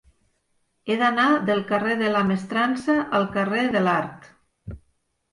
He d'anar del carrer de la Mestrança al carrer de l'Art.